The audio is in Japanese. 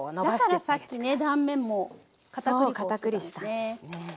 だからさっきね断面もかたくり粉したんですね。